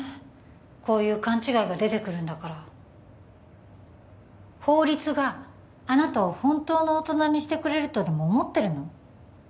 こういう勘違いが出てくるんだから法律があなたを本当の大人にしてくれるとでも思ってるの？